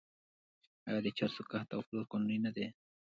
آیا د چرسو کښت او پلور قانوني نه دی؟